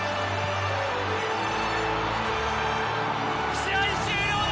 試合終了だ！